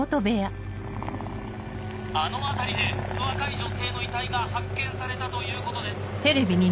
あの辺りで若い女性の遺体が発見されたということです。